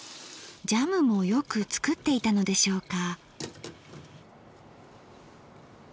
ジャムもよく作っていたのでしょうか。